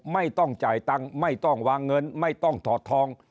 ไม่ต้องจ่ายตังค์ไม่ต้องวางเงินไม่ต้องถอดทอง